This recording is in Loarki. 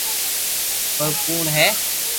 پر ڪوڻ ھي